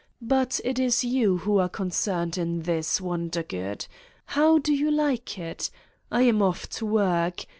But it is you who are concerned in this, Wondergood: how do you like it? I am off to work.